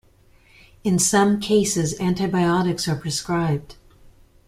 In some cases, antibiotics are prescribed.